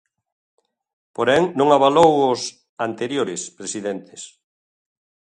Porén, non avalou aos "anteriores" presidentes.